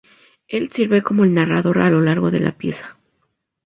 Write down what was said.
Él sirve como el narrador a lo largo de la pieza.